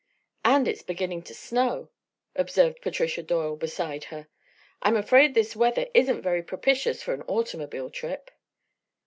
"And it's beginning to snow," observed Patricia Doyle, beside her. "I'm afraid this weather isn't very propitious for an automobile trip."